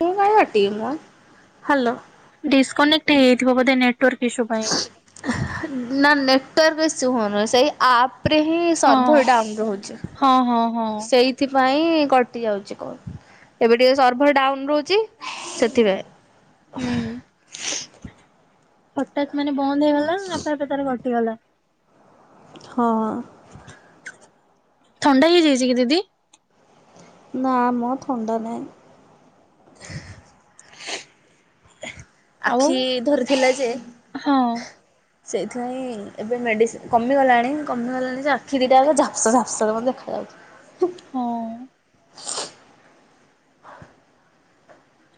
ମୁଁ କାଇଁ କାଟିବି ମ ହାଲୋ। ଏଟା ହେଇଯାଇଥିବ ବୋଧେ ନେଟୱର୍କ ଇସୁ ପାଇଁ। ନେଟୱର୍କ ଇସୁ ହୋଉନି ସେଇ ଆପ୍ ରେ ହିଁ ହଁ ସର୍ଭର ଡାଉନ ରହୁଚି ହଁ ହଁ ହଁ। ସେଇଥି ପାଇଁ କଟି ଯାଉଚି କଲ୍ ଏବେ ଟିକେ ସର୍ଭର ଡାଉନ ରହୁଚି ସେଥିପାଇଁ। ହୁଁ ହଠାତ୍ ମାନେ ବନ୍ଦ ହେଇଗଲା ଆପେ ଆପେ ତାର ହେଇଗଲା। ହଁ। ଥଣ୍ଡା ହେଇଯାଇଚି କି ଦିଦି? ନା ମ ଥଣ୍ଡା ନାଇଁ। ଆଉ ଆଖି ଧରିଥିଲା ଯେ ହଁ ସେଇଥିପାଇଁ ଏବେ ମେଡିସିନ୍ କମିଗଲାଣି କମିଗଲାଣି ଯେ ଆଖି ଦିଇଟାଙ୍କ ଝାପ୍ସା ଝାପ୍ସା ଯଥା ଦେଖାଯାଉ ହଁ।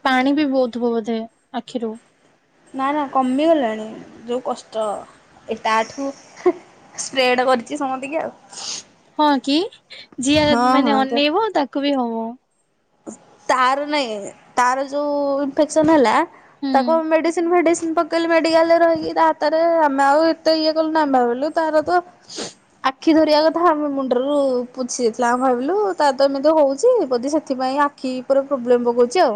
ପାଣି ବି ବୋହୁତ ବୋହୁଥାଏ ଆଖିରୁ। ନା ନା କମି ଗଲାଣି ଯୋଉ କଷ୍ଟ। ଏ ତାଠୁ ‌ହେ ସ୍ପ୍ରେଡ କରିଚି ସମତିକି ଆଉ। ହଁ କି ଯିଏ ହଁ ମାନେ ହଁ ଦେ ଅନେଇବ ତାକୁ ବି ହବ। ତାର ନାହିଁ ତାର ଯୋ ଇନ୍ ଫେକ୍ସନ୍ ହେଲା। ହୁଁ ତାକୁ ବି ମେଡିସିନ ଫେଡି ମୁଁ ପକେଇଲି ମେଡିକାଲରେ ରହିକି ତା ହାତରେ ଆମେ ଆଉ ଏତେ ଇଏ କଲୁନୁ ଆମେ ଭାବିଲୁ ତାର ତ ଆଖି ଧରିବା କଥା ଆମେ ମୁଣ୍ଡରୁ ପୋଛି ଦେଇଥିଲୁ ଆମେ ଭାବିଲୁ ତାର ତ ଏମିତି ହୋଉଚି ବୋଧେ ସେ ଥି ପାଇଁ ଆଖି ଉପରେ ପ୍ରବ୍ଲେମ୍ ପକୋଉଚି ଆଉ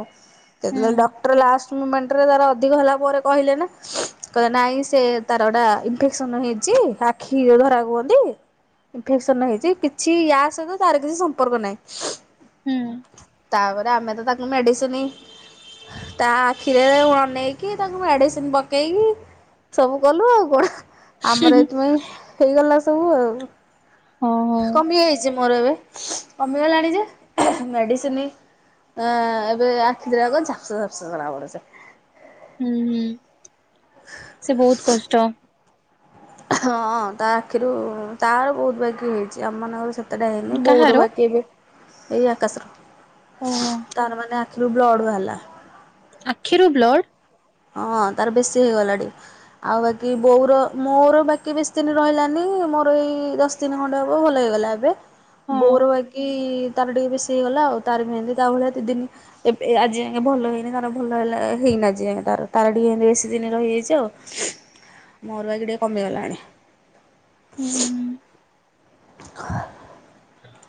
ହୁଁ ସେଥିଲାଗି ଡକ୍ଟର ଲାଷ୍ଟ ମୁମେଣ୍ଟରେ ତାର ଅଧିକ ହେଲା ପରେ କହିଲେ ନା। କହିଲେ ନାଇଁ ସେ ତାର ଏଟା ଇନଫେକ୍ସନ ହେଇଚି ଆଖି ଧରା କୁହନ୍ତି। ଇନଫେକ୍ସନ ହେଇଚି କିଛି ୟା ସହିତ ତାର କିଛି ସମ୍ପର୍କ ନାହିଁ। ହୁଁ ତାପରେ ଆମେ ତ ତାଙ୍କୁ ମେଡିସିନ୍ ତା ଆଖିରେ ଅନେଇକି ତାଙ୍କୁ ମେଡିସିନ ପକେଇକି ସବୁ କଲୁ ଆଉ କଣ ହେଁ ଆମର ଏଇଥି ପାଇଁ ହେଇଗଲା ସବୁ ଆଉ। ହଁ ହଁ। କମି ଯାଇଛି ମୋର ଏବେ କମିଗଲାଣି ଯେ [unintelligible] ମେଡିସିନ ଏବେ ଆଖି ଦିଟା ଯାକ ଝାପ୍ସା ଫାପ୍ସା ଜଣା ପଡୁଚି। ଉଁ ହୁଁ ସେ ବୋହୁତ କଷ୍ଟ। ହଁ ତା ଆଖିରୁ ତାର ବୋହୁତ ବାକି ହେଇଚି ଆମ ମାନଙ୍କର ସେ ଏତେଟା ହେଇନି କାହାର? ବୋଉର ବାକି ଏବେ ଏଇ ଆକାଶର ଓହୋ। ତାର ମାନେ ସିଏ ବି ଅଡ଼ୁଆ ହେଲା। ଆଖିରୁ ବ୍ଲଡ଼। ହଁ ତାର ବେଶୀ ହେଇଗଲା ଟ ଆଉ ବାକି ବୋଉର ମୋର ବାକି ବେଶୀ ଦିନ ରହିଲାନି। ମୋର ଏଇ ଦଶ ତିନି ଖଣ୍ଡେହବ ଭଲ ହେଇଗଲା ଏବେ ହଁ ବୋଉର ବାକି ତାର ଟିକେ ବେଶୀ ହେଇଗଲା ଆଉ ତାର ମହତି ତା ଭଳିଆ ଦି ଦିନ ଏବେ ଆଜି ଆଞେ ଭଲ ହେଇନି ତାର ଭଲ ହେଲା ହେଇନି ଆଜି ଯାଏଁ। ତ ତାର ଟିକେ ଏମିତି ବେଶୀ ଦିନ ରହିଯାଇଛି ଆଉ ମୋରୁ ବାକ ଟିକେ କମିଗଲାଣି। ହୁଁ। ହଁ।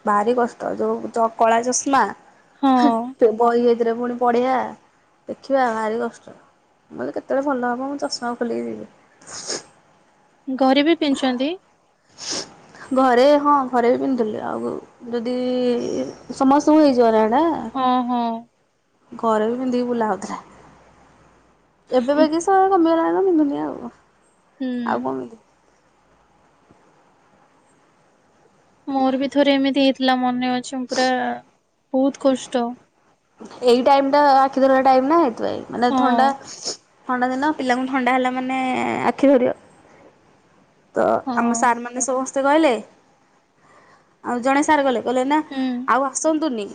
ଭାରି କଷ୍ଟ ଯୋଉ କଳା ଚଷମା ହଁ ରାତିରେ ପୁଣି ପଢିଆ ଦେଖିବା ଭାରି କଷ୍ଟ। ମୋତେ କେତେବେଳେ ଭଲ ହବ ମୁଁ ଚଶମା ଖୋଲିକି ଯିବି? ଘରେ ବି ପିନ୍ଧୁଚନ୍ତି। ଘରେ ହଁ ଘରେ ବି ପିନ୍ଧୁଥିଲୁ। ଆଉ ଯଦି ସମସ୍ତଙ୍କୁ ହେଇଯିବ। ହଁ ହଁ। ଘରେ ବି ପିନ୍ଧାହେଇକି ବୁଲା ହେଉଥିଲା ଏବେବି କି ସମୟ କମିଗଲା। ମୁନି ଆଉ ହୁଁ ଆଉ କଣ ପିନ୍ଧିବି? ମୋର ବି ଥରେ ଏମିତି ହେଇଥିଲା ମନେ ଅଛି ପୁରା ବହୁତ କଷ୍ଟ। ଏଇ ଟାଇମ ଟା ଆଖି ଧର ଟାଇମ ନା ସେଇଥିପାଇଁ ମାନେ ହଁ ଥଣ୍ଡା ଥଣ୍ଡା ଦିନ ପିଲାଙ୍କୁ ଥଣ୍ଡା ହେଲା ମାନେ ଆଖି ଧରିବ। ତ ଆମ ହଁ ସାର୍ ମାନେ ସମସ୍ତେ କହିଲେ ଆଉ ଜଣେ ସାର୍ ଗଲେ। କିଲ ନା ହୁଁ ଆଉ ଆସନ୍ତୁନି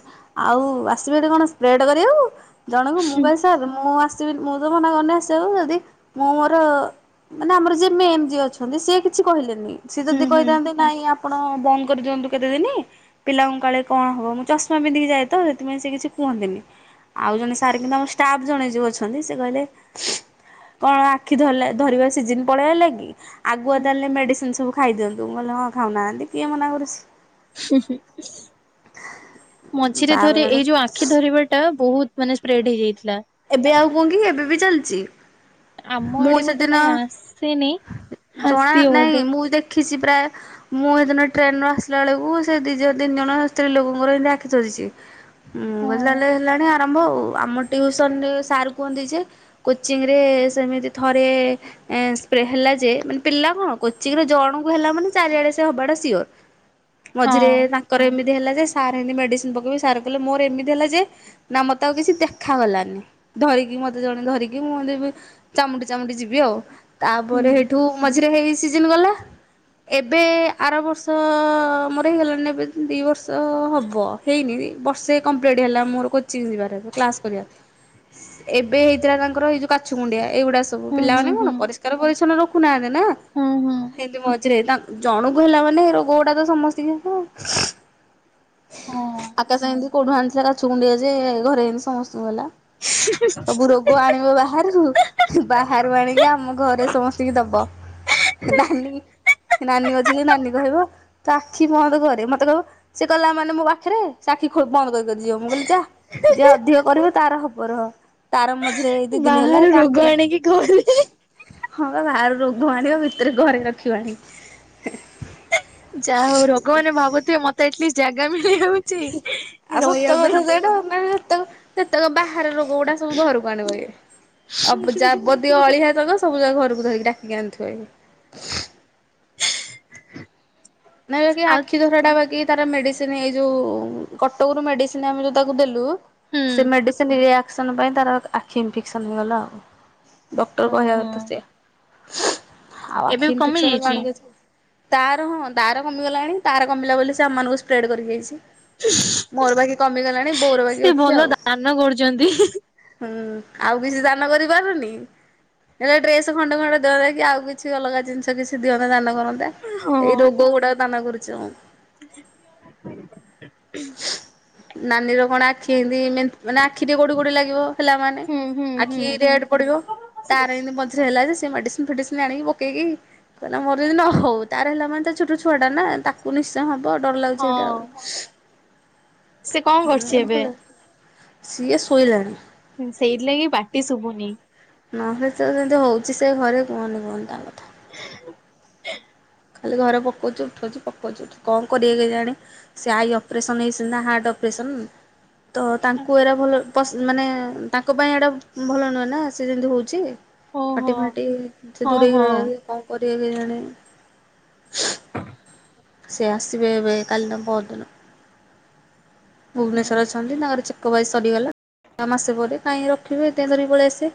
ଆଉ ଆସିବେ ଏଠି କଣ ସ୍ପ୍ରେଡ୍ କରିବା ଆକୁ। ଜଣକୁ ମୁଁ କହିଲି ସାର୍ ମୁଁ ଆସିବି ମୁଁ ତ ମନା କରୁନି ଆସିବାକୁ ଯଦି ମୁଁ ମୋର ମାନେ ଆମର ଯିଏ ମେନ ଯିଏ ଅଛନ୍ତି ସିଏ କିଛି କହିଲେନି ସିଏ ହୁଁ ଯଦି କହିଥାନ୍ତେ ହୁଁ। ନାଇଁ ଆପଣ ବନ୍ଦ କରିଦିଅନ୍ତୁ କେତେ ଦିନ ପିଲାଙ୍କ କାଳେ କଣ ହବ ମୁଁ ଚଷମା ପିନ୍ଧିକି ଯାଏ ତ ସେଥିପାଇଁ ସେ କିଛି କୁହନ୍ତିନି ଆଉ ଜଣେ ସାର୍ କିନ୍ତୁ ଆମ ଷ୍ଟାଫ ଜଣେ ଯୋଉ ଅଛନ୍ତି ସେ କହିଲେ କଣ ଆଖି ଧରିଲା ଧରିବା ସିଜିନ ପଳେଇ ହେଲା କି? ଆଗୁଆ ତାହେଲେ ମେଡିସିନ ସବୁ ଖାଇ ଦିଅନ୍ତୁ ମୁଁ କହିଲେ ହଁ ଖାଉନାହାନ୍ତି କିଏ ମନା କରୁଚି। ମଝିରେ ଥରେ ତାପରଠୁ ଏଇ ଯୋଉ ଆଖି ଧରିବା ଟା ବହୁତ ମାନେ ସ୍ପ୍ରେଡ ହେଇଯାଇଥିଲା। ଏବେ ଆଉ କୁହ କି ଏବେ ବି ଚାଲିଚି। ଆମ ମୁଁ ଆଡକୁ ତ ସେଦିନ କାଇଁ ଆସିନି ଜଣା ଆସିବ ନାଇଁ ବୋଧେ ମୁଁ ଦେଖିଛି। ପ୍ରାୟ ମୁଁ ଏଦିନ ଟ୍ରେନ ରୁ ଆସିଲା ବେଳକୁ ସେ ଦି ଜଣ ତିନି ଜଣ ସ୍ତ୍ରୀ ଲୋକଙ୍କର ଆଖି ଧରିଛି। ହୁଁ ମୁଁ ହଁ। କହିଲି ହେଲାଣି ଆରମ୍ଭ ଆଉ ଆମସନ ସ କୁହନ୍ତି ଯେ କୋଚିଂ ରେ ସେମିତି ଥରେ ସ୍ପେରେ ହେଲା ଯେ ମାନେ ପିଲା କଣ କୋଚିଂରେ ଜଣଙ୍କୁ ହେଲା ମାନେ ଚାରିଆଡେ ହବାଟା ସିଓର ହଁ ମଝିରେ ତାଙ୍କର ଏମିତି ହେଲା ଯେ ସାର ଏମିତି ମେଡିସିନ ପକେଇବେ ସାର୍ କହିଲେ ମୋର ଏମିତି ହେଲା ଯେ ନା ମତେ ଆଉ କିଛି ଦେଖାଗଲାନି। ଧରିକି ମତେ ଜଣେ ଧରିକି ମୁହଁ ଦେ ଚାମୁଡି ଚାମୁଡି ଯିବି ଆଉ ହୁଁ ତାପରେ ହେଇଠୁ ମଝିରେ ହେଇ ସିଜନ୍ ଗଲା। ଏବେ ଆର ବର୍ଷ ମୋର ହେଇଗଲାଣି ଏବେ ଦି ବର୍ଷ ହବ ହେଇନି। ବର୍ଷେ କମ୍ପିଲିଟ ହେଲା ମୋର କୋଚିଂ ଯିବାରେ କ୍ଲାସ କରିବା। ଏବେ ହେଇଥିଲା ତାଙ୍କର ଏଇ ଯୋଉ କାଛୁ କୁଣ୍ଡିଆ। ଆଁ ସବୁ ହୁଁ ହୁଁ ପିଲାମାନୋନ କଣ ହୁଁ ପରିଷ୍କାର ପରିଚ୍ଛନ୍ନତା ରଖୁନାହାନ୍ତି ନା ହୁଁ ହୁଁ ସେମିତି ମଝିରେ ଜଣକୁ ହେଲା ମାନେ ରୋଗ ଗୁଡାକ ସମସ୍ତିଙ୍କୁ ହବ। ହଁ। ଆକାଶ ଏମିତି କୋଉଠୁ ଆଣିଥିଲା କାଛୁ କୁଣ୍ଡିଆ ଯେ ଘରେ ଏମିତି ସମସ୍ତଙ୍କୁ ହେଲା। ସବୁ ରୋଗ ଆଣିବ ବାହାରୁ ବାହାରୁ ଆଣିକି ଆମ ଆମ ଘରେ ସମସ୍ତଙ୍କୁ ଦବ ନାନି ନାନି ଅଛି ଯେ ନାନି କହିବ ତ ଆଖି ବନ୍ଦ କରେ ମତେ କହିବ ସେ କଲା ମାନେ ମୋ ପାଖରେ ଆଖି ବନ୍ଦ କରି କରି ଯିବ ମୁଁ କହିଲି ଯା ଯା ଅଧିକ କରିବ ତାର ହବ ରହ ତାର ମଜା ଯଉ ଦି ଦିନି ହେଲା। ଗଣି କି କହିବି। ବ ବାହାରୁ ରୋଗ ଆଣିବ ଭିତରେ ଘରେ ରଖିବ ଆଣିକି। ହେଁ ଯାହା ହଉ ରୋଗମାନେ ଭାବୁଥିବେ ମତେ ଆଟଲିଷ୍ଟ ଜାଗା ମିଳ୍ କି ହେଉଚି କି ରହିବା ପାଇଁ। ସେତେକ ବାହାର ରୋଗ ଗୁଡା ସବୁ ଘରକୁ ଆଣିବ ଇଏ। ଆବ୍ ଯାବତୀୟ ଅଳିଆ ତକ ସବୁ ଜାକ ଘରକୁ ଧରିକି ଡାକି କି ଆଣିଥୁଆ ଇଏ। ନାଇଁ ବାକିି ଆଉ ଆଖି ଧରଟା ବାକି ତାର ମେଡିସିନ୍ ଏଇ ଯୋଉ କଟକରୁ ମେଡିସିନ୍ ଆମେ ଯୋଉ ତାକୁ ଦେଲୁ। ହୁଁ। ସେ ମେଡିସିନ୍ ରୀୟାକ୍ ଫେକ୍ସନ୍ ପାଇଁ ତାର ଆଖି ଇନଫେକ୍ସନ୍ ହେଇଗଲା ଆଉ। ଡକ୍ଟର କହିବା ଓହୋ କଥା ସେଆ। ଆଉ ଏବେ ଆଖି କମି ଇନଫେକ୍ସନ୍ ଯାଇଛି କଣ କିଜ୍ ତାର ହଁ ତାର କମିଗଲାଣି ତାର କମିଲା ବୋଲି ସେ ଆମମାନଙ୍କୁ ସ୍ପ୍ରେଡ କରିକି ଯାଇଚି। ହ ମୋର ବାକି କମିଗଲାଣି ବୋଉ ବାକି ଅଛି ଆଉ। ଦାନ କରୁଛନ୍ତି। ଆଉ କିଛି ଦାନ କରିପାରୁନି। ହେଲେ ଡ୍ରେସ ଖଣ୍ଡେ ଖଣ୍ଡେ ଦେଳେ କି ଆଉ କିଛି ଅଲଗା ଜିନିଷ କିଛି ଦିଅନ୍ତା ଦାନ କରନ୍ତା ହଁ ଏଇ ରୋଗ ଗୁଡାକ ଦାନା କରୁଚି ଜଉଁ। ନାନୀ ର କଣ ଆଖି ହେନ୍ତି ମାନ୍ ମାନେ ଆଖି ଟିକେ ଗୋଡି ଗୋଡି ଲାଗିବ ହେଲା ମାନେ। ହୁଁ ହୁଁ ଆଖି ହୁଁ ରେଡ୍ ପଡିବ ତାର ଏନ୍ତି ମଝିରେ ହେଲା ଯେ ସେ ସିଏ ମେଡିସିନ୍ ଫେଡିସିନ୍ ଆଣିକି ପକେଇକି କହିଲା ମୋ ଯେତି ନ ହଉ। ତାର ହେଲା ମାନେ ତା ଛୋଟ ଛୁଆ ଟା ନା ତାକୁ ନିଶ୍ଚୟ ହବ ଡର ଲାଗୁଚି ସେଇଟା ହଁ। ଆଉ। ସେ କଣ ଏ କରୁଚି ଏବେ? ଭଲ ସିଏ ଶୋଇଲାଣି। ଉଁ ସେଇଥିଲାଗି ବାଟି ଶୁଭୁନି। ନହେଲେ ତ ଯେମିତି ହଉଚି ସେ ଘରେ କୁହନି କୁହନି ତା କଥା। ଖାଲି ଘରେ ପକଉଚି ଉଠଉଚି ପକଉଚି ଉଠଉଚି। କଣ କରିବେ କେଜାଣି ସେ ଆଈ ଅପରେସନ୍ ହେଇଚନ୍ତି ନା ହାର୍ଟ ଅପେ ଫେକ୍ସନ୍ ତ ତାଙ୍କୁ ଏରା ଭଲ ପସ ମାନେ ତାଙ୍କ ପାଇଁ ଏଟା ଭଲ ନୁହେଁ ନା ସେ ଯେମିତି ହଉଚି? ଓହୋ ମାଟି ଫାଟି ସେ ହଁ ଦୂରେଇକି ହଁ ରହି କଣ କରିବ କି ଜାଣି? ସେ ଆସିିବେ ଏବେ କାଲି ନା ପହର ଦିନ। ଭୁବନେଶ୍ୱର ହୁଁ ଅଛନ୍ତି ତାଙ୍କର ଚେକ୍ ଅପ୍ ଆଜି ସରିଗଲା। ଆଉ ମାସେ ପରେ କାହିଁ ରଖିବି ଏଥି ପାଇଁ ଧରି ପଳେଇ ଆସେ।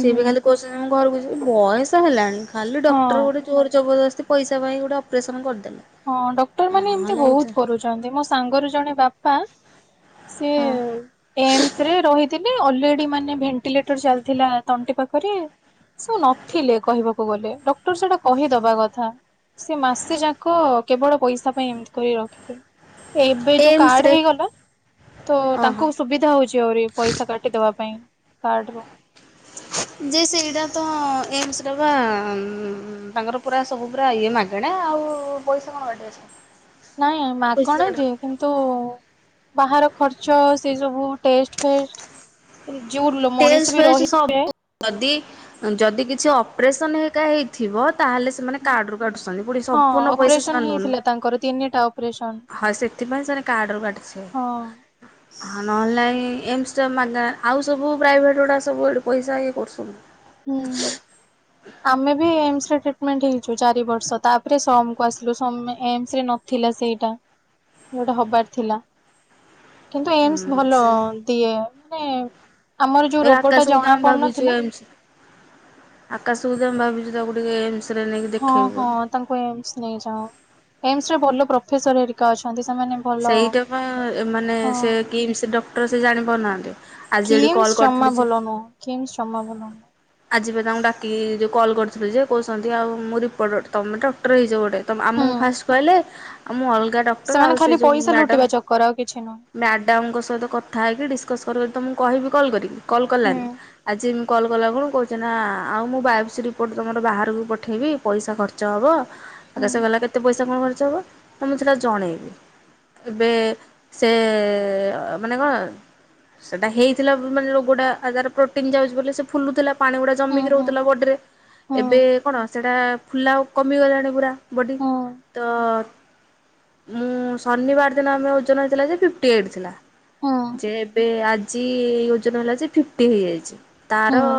ସିଏ ବି ଖାଲି କହୁଚନ୍ତି ମୁଁ ଘରକୁ ଯିବି। ବୟସ ହେଲାଣି ଖାଲି ହଁ। ଡକ୍ଟର ଗୋଟେ ଜୋର ଜବଦସ୍ତ ସେ ପଇସା ପାଇଁ ଗୋଟେ ଅପରେସନ କରିଦ ହଁ ଡକ୍ଟର ମାନେ ଏମତି ବହୁତ କରୁଚନ୍ତି। ମୋ ସାଙ୍ଗର ଜଣେ ବାପା ସିଏ ହଁ। ଏମ୍ସ ରେ ରହିଥି ଲେ ଅଲରେଡି ମାନେ ଭେଣ୍ଟିଲେଟର ଚାଲିଥିଲା ତଣ୍ଟି ପାଖରେ ସେ ଆଉ ନଥିଲେ କହିବାକୁ ଗଲେ ଡକ୍ଟର ସେଟା କହିଦବା କଥା ସେ ମାସେ ଯା କ୍ କ କେବଳ ପଇସା ପାଇଁ ଏମତି କରି ରଖିଦେଲ। ଏବେ ଯୋଉ କାର୍ଡ ଏମ୍ସରେ। ହେଇଗଲା ତ ଓହୋ। ତାଙ୍କୁ ସୁବିଧା ହଉଚି ଆହୁରି ପଇସା କାଟିଦବା ପାଇଁ କାର୍ଡ ରୁ। ହ ଯେ ସେଇଟା ତ ଏମ୍ସ୍ ରେ ବା ଉଁ ତାଙ୍କର ପୁରା ସବୁ ପୁରା ଇଏ ମାଗେଣା। ଆଉ ପଇସା କଣ କାଟିି ଅଛି? ନାଇଁ ମାଗଣା ଯେ କିନ୍ତୁ ବାହାର ଖର୍ଚ୍ଚ ସେ ସବୁ ଟେଷ୍ଟ ଫେଷ୍ଟ୍ ଟେଷ୍ଟ ଫେଷ୍ଟ୍ ସବୁ ଯଦି ଯଦି କିଛି ଅପରେସନ ହେଇକା ହେଇଥିବ ତାହେଲେ ସେମାନେ କାର୍ଡ ରୁ କାଟୁଚନ୍ତି। ପୁଣି ହଁ ସମ୍ପୂର୍ଣ୍ଣ ପଇସା ଅପରେସନ ସେମାନେ ହେଇଥିଲା ତାଙ୍କର ତିନିଟା ଅପରେସନ ନଉନ ହଁ ସେଥିପାଇଁ ସେମାନେ କାର୍ଡରୁ କାଟିଥିବେ। ହଁ। ହଁ ନ ହେଲେ ନାଇଁ ଏମ୍ସ ଟା ମାଗଣା। ଆଉ ସବୁ ପ୍ରାଇଭେଟ୍ ଗୁଡ଼ା ସବୁ ଏଇଠି ପଇସା ଇଏ କରୁଚନ୍ତି। ହୁଁ ଆମେ ବି ଏମ୍ ଶ୍ ତ ଟିଟି ମେଣ୍ଟ ହେଇଚୁ ଚାରି ବର୍ଷ ତାପରେ ସମକୁ ଆସିଲୁ ସମ୍ ଏମ୍ ଶ୍ ରେ ନଥିଲା ସେଇଟା। ଗୋଟେ ହବାର ଥିଲା। କିନ୍ତୁ ଏମ୍ ହୁଁ ସ ଭଲ ସେ ଦିଏ ମାନେ ଆମର ଯୋଉ ରୋଗ ଟା ଜଣା ପଡୁନଥିଲା ଆକା ସୁ ଭାବିଛୁ ତାକୁ ଟିକେ ଏମ ସ ହଁ ହଁ ତାଙ୍କୁ ଏମ ଶ୍ ନେଇଯଓ ଏମ ଶ୍ ରେ ଭଲ ପ୍ରଫେସର ହେରିକା ଅଛନ୍ତି। ସେମାନେ ଭଲ ସେଇଟା ପା ମାନେ ହଁ। ସେ କିମ ସି ସେ ଡକ୍ଟର ସେ ଜାଣି ପାରୁନାହାନ୍ତି ଆଜି ଏଠି କ୍ କିମ୍ସ ଜମା ଭଲ ନୁହେଁ କିମ୍ସି ଜମା ଭଲ ନୁହ। ଆଜିି ବା ତାଙ୍କୁ ଡାକି ଯେଉ କଲ୍ କରିଥିଲି ଯେ କହୁଛନ୍ତି ଆଉ ମୁଁ ରିପୋର୍ଟ ତମେ ଡକ୍ଟର ହେଇଚ ଗୋଟେ ଆମକୁ ହୁଁ ଫାଷ୍ଟ କହିଲେ ଆମ ଅଲଗା ଡକ୍ଟର ସେମାନେ ଆଉ ସେ ଖାଲି ଯୋଉ ପଇସା ମ୍ୟାଡମ୍ ଲୁଟିବା ଚକର ଆଉ କିଛି ନୁହଁ ମ୍ୟାଡାମଙ୍କ ସହିତ କଥା ହେଇକି ଡିସକସ କରିବ ତମ କହିବି କଲ୍ କରିକି କଲ୍ ହୁଁ। କଲାନି ଆଜି ମୁଁ କଲ୍ କଲା ଖୁଣୁ କହୁଛି ନା ଆଉ ମୁଁ ବାୟଫ୍ସିି ରିପୋର୍ଟ ତୁମର ବାହାରକୁ ପଠେଇବି ପଇସା ଖର୍ଚ୍ଚ ହେବ ହୁଁ ଆକାସ କହିଲା କେତେ ପଇସା କଣ ଖର୍ଚ୍ଚ ହବ ନା ମୁଁ ସେଟା ଜଣେଇବି। ଏବେ ସେ ମାନେ କଣ? ସେଟା ହେଇଥିଲା ମାନେ ରୋଗଟା ପ୍ରୋଟିନ ଯାଉଛି ବୋଲି ସେ ଫୁଲୁଥିଲା। ପାଣି ଗୁଡା ହୁଁ ଜମିକି ହୁଁ ରହୁଥିଲା ବଡିରେ ହୁଁ ଏବେ କଣ? ସେଇଟା ଫୁଲା ଆଉ କମିଗଲାଣି ପୁରା ବଡ଼ି ହୁଁ ତ ମୁଁ ଶନିବାର ଦିନ ଆମେ ଓଜନ ହେଇଥିଲା ଯେ ଫିଫ୍ଟି ଏଇଟି ଥିଲା। ହୁଁ। ଯେ ଏବେ ଆଜି ଓଜନ ହେଲା ଯେ ଫିଫ୍ଟି ହେଇଯାଇଛି ତାର ହୁଁ।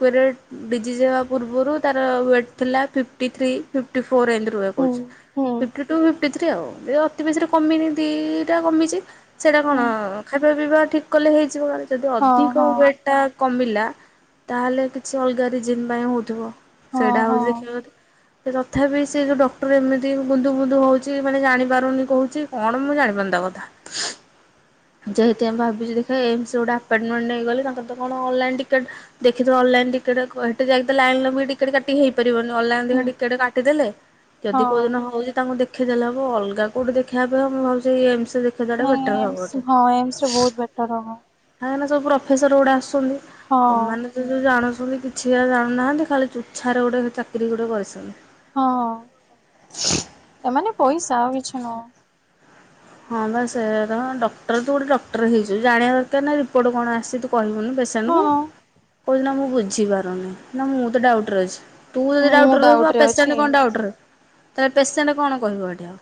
କୂରେ ଡିଜିଯି ହେବା ପୂର୍ବରୁ ତାର ୱେଟ୍ ଥିଲା fifty three fifty four Amit ରୁହେ ହୁଁ କହିଛି। ହୁଁ ଫିଫ୍ଟି ଟୁ ଫି ଫର୍ଟିଥ୍ରୀ ଆଉ ଅତି ବେଶୀରେ କମିନି ଦିଟା କମିଛି ସେଇଟା ହୁଁ କଣ ବିବା ଠିକ କଲେ ହେଇଯିବ ଯଦି ହଁ ଅଧିକ ହଁ ୱଟ ଟା କମିଲା। ତାହେଲେ କିଛି ଅଲଗା ରିଜିନ୍ ପାଇଁ ହଉଥିବ ହଁ ସେଇଟା ହଉ ହଁ ଦେଖିବା କଥା। ସେ ତଥାପି ସେ ଡକ୍ଟର ଏମିତି ବୁଧୁ ବୁନ୍ଦୁ ହଉଛି ମାନେ ଜାଣି ପାରୁନି କହୁଛି କଣ ମୁଁ ଜାଣିପାରୁନି। ସତ କଥା। ହ ଯେ ହେତୁ ଆମେ ଭାବୁଛୁ ଦେଖ ଏମ୍ ସ ଗୋଟେ ଆପଟ୍ ମେଣ୍ଟ ନେଇଗଲେ ତାଙ୍କର ତ କଣ ଅନଲାଇ ଟିକେଟ। ଦେଖିି ଦେବା ଅନଲାଇନି ଟିକେଟ ହେଠି ଯାଇକ ତ ଲାଇନି ଲମ୍ବି ଟିକେଟ କାଟି ହେଇ କରିବନି ଅନଲାଇନ୍ ହୁଁ ଦେଖିବା ଟିକେଟ କାଟିଦଲେ ଯଦି ହଁ। କୋଉଦିନ ହଉଛି ତାଙ୍କୁ ଦେ ଦେଖି ଦେଲେ ହବ ଅଲଗା କୋଉଠି ଦେଖାବା ଅପେକ୍ଷା ମୁଁ ଭାବୁଛି ଏମ୍ ସ ଦେଖେଇ ଦେବା ଟା ନାଇଁ ବେଟର ହବ ଏମ୍ସ ବୋଧେ ହଁ ଏମ୍ସ ରେ ବହୁତ ବେଟର ହବ କାହିଁକି ନା ସବୁ ପ୍ରଫେସର ଗୋଡା ଆସୁଛନ୍ତି। ହଁ। ଏମାନେ ତ ଯୋଉ ଜାଣୁଛନ୍ତି କିଛି ଜାୁନୁନାହାନ୍ତି ଖାଲି ଚୁଛାରେ ଗୋଟେ ଚାକିରି ଗୋଟେ କରିଛନ୍ତି। ହଁ ଏମାନେ ପଇସା ଆଉ କିଛି ନୁହେଁ ହଁ ବାସ ତ ଡକ୍ଟର ତୁ ଗୋଟେ ଡକ୍ଟର ହେଇଛୁ ଜାଣିବା ଦରକାର ନା ରିପୋର୍ଟ କଣ ଆସିଛି ତୁ କହିବୁନି। ପେସେଣ୍ଟ କୁ ହଁ କହୁଛି ନା ମୁଁ ବୁଝି ପାରୁନି ନା ମୁଁ ତ ଡାଉଟୁ ରେ ଅଛି। ତୁ ଯଦି ଡାଉଟୁ ମୁଁ ରେ ରହିବୁ ଡାଉଟ୍ ପେସେଣ୍ଟ ଅଛି। କଣ ଡାଉଟୁ ରହିବ। ତାହଲେ ପେସେଣ୍ଟ କଣ କହିବ ଏଠି ଆଉ।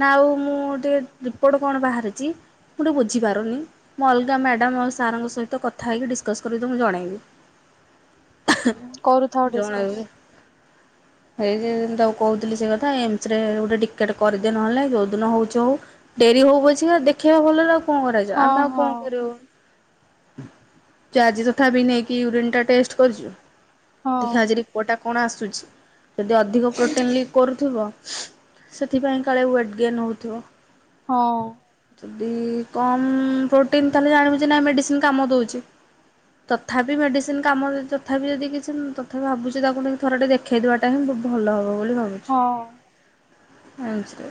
ନା ଆଉ ମୁଁ ଟିକେ ରିପୋର୍ଟ କଣ ବାହାରିଛି। ମୁଁ ଟିକେ ବୁଝିପାରୁନି ମୁଁ ଅଲଗା ମ୍ୟାଡ଼ାମ୍ ଆଉ ସାର ଙ୍କ ସହିତ କଥା ହେଇକି ଡିସକସ୍ କରିକି ତମକୁ ଜଣେଇବି। କରୁଥାଉ ଡିସିକଶ୍। ଜଣେଇବି ଏଇ ଯେତି ତାକୁ କହୁଥିଲି ସେ କଥା ଏମ୍ ଶ୍ ଗୋଟେ ଟିକେଟ କରିଦେ ନହେଲେ ନାଇ ଯୋଉଦିନ ହଉଛି ହଉ ଡେରି ହଉ ପଛିକ ଦେଖିବା ଭଲରେ। କଣ କରାଯିବ ହଁ ଆମେ ଆଉ କଣ ହଁ କରିବୁ? ଯେ ଆଜି ତଥାପି ନେଇକି ୟୁରିନ ଟା ଟେଷ୍ଟ କରିଛୁ ହଁ ଦେଖିବା ଆଜି ରିପୋର୍ଟ ଟା କଣ ଆସୁଛି ଯଦି ଅଧିକ ପ୍ରୋଟିନ୍ ଲିକ୍ କରୁଥିବ ସେଥିପାଇଁ କାଳେ ୱେଟ୍ ଗେନ୍ ହଉଥିବ। ହଁ। ଦି କମ୍ ପ୍ରୋଟିନ ତାହେଲେ ଜାଣିବୁ ଯେ ମେଡ଼ିସିନ କାମ ଦଉଚି। ତଥାପି ମେଡିସିନ କାମ ତଥାପି ଯଦି କିଛି ତଥାପି ଭାବୁଚି ତାକୁ ନେଇକି ଥରୁଟେ ଦେଖେଇ ଦବାଟା ହିଁ ଭଲ ହବ ବୋଲି ହଁ ଭାବୁଚି [unintelligible]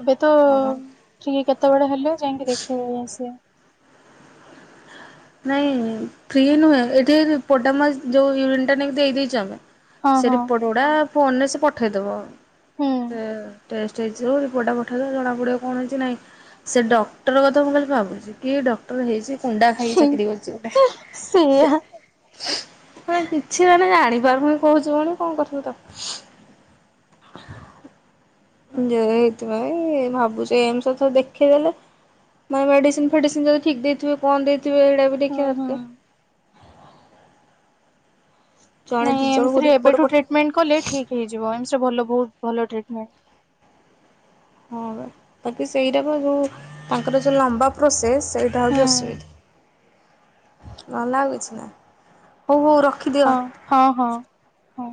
ଏବେ ତ ଓହୋ। ଫ୍ରି କେତେବେଳେ ହେଲେ ଯାଇଁକି ଦେଖେଇ ଆସିଆ। ନାଇଁ ଫ୍ରି ନୁହେଁ ଏଠି ପୋଟାମସ ଯୋଉ ୟୁରିନ ଟା ନେଇକି ଦେଇ ଦେଇଚୁ ଆମେ। ହଁ ସେ ହଁ ରିପୋର୍ଟ ଗୁଡା ଫୋନରେ ସେ ପଠେଇ ଦବ। ହୁଁ ସେ ଟେଷ୍ଟ ହେଇଯିବ ରିପୋର୍ଟଟା ପଠେଇଦବ ଜଣା ପଡିବ କଣ ହେଇଚି ନାଇଁ। ସେ ଡକ୍ଟର କଥା ମୁଁ ଖାଲି ଭାବୁଚି କି ଡକ୍ଟର ହେଇଚି କୁଣ୍ଡା [unintelligible] ହୁଁ, ସେଇଆ କିଛି ମାନେ ଜାଣି [unintelligible] କହୁଚି କଣ କଁ କରୁଥିବ ତ। ଯ ଏଇଥିପାଇଁ ଭାବୁଚି ଏମସ୍ ରେ ଥରେ ଦେଖେଇ ଦେଲେ। ମାନେ ମେଡିସିନ ଫେଡିସିନ ଯଦି ଠିକ ଦେଇଥିବେ କଣ ଦେଇଥିବେ ଏଇଟା ବି ହୁଁ ଦେଖିବା ଦରକାର। ହୁଁ। ଜଣେ ଦି ନାଇଁ ଜଣଙ୍କୁ ଏମ୍ସରେ ରିପୋର୍ଟ ଏବେଠୁ ପଠେଇ ଟ୍ରିଟମେଣ୍ଟ କଲେ ଠିକ ହେଇଯିବ ଏମ୍ସ ରେ ଭଲ ବହୁତ ଭଲ ଟ୍ରିଟମେଣ୍ଟ। ହଁ ବା ବାକି ସେଇଟା ଯୋଉ ତାଙ୍କର ଯୋଉ ଲମ୍ବା ପ୍ରୋସେସ ସେଇଟା ହୁଁ ହଉଚି ଅସୁବିଧା। ଭଲ ଲାଗୁଛି ନା ହଉ ହଉ ର ହଁ-ହଁ-ହଁ-ହଁ।